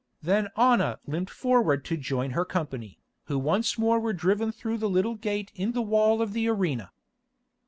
Then Anna limped forward to join her company, who once more were driven through the little gate in the wall of the arena.